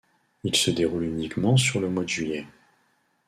Il se déroule uniquement sur le mois de juillet.